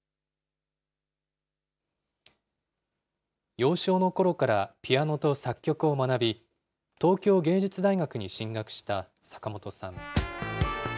幼少のころからピアノと作曲を学び、東京芸術大学に進学した坂本さん。